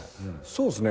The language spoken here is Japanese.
そうっすね。